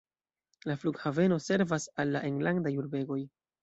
La flughaveno servas al la enlandaj urbegoj.